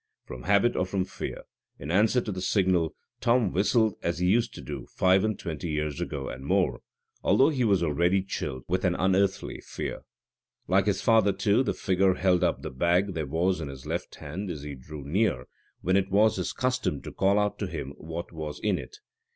From habit or from fear, in answer to the signal, Tom whistled as he used to do five and twenty years ago and more, although he was already chilled with an unearthly fear. Like his father, too, the figure held up the bag that was in his left hand as he drew near, when it was his custom to call out to him what was in it.